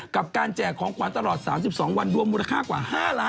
กับการแจกของขวัญตลอด๓๒วันรวมมูลค่ากว่า๕ล้าน